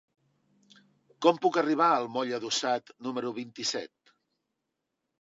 Com puc arribar al moll Adossat número vint-i-set?